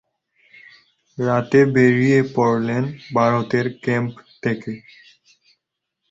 রাতে বেরিয়ে পড়লেন ভারতের ক্যাম্প থেকে।